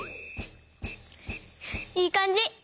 いいかんじ！